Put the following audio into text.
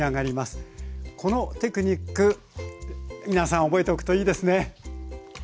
このテクニック皆さん覚えておくといいですね！